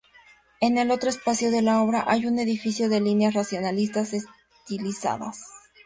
En el otro espacio de la obra hay un edificio de líneas racionalistas estilizadas.